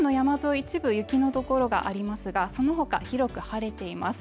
一部雪の所がありますがそのほか広く晴れています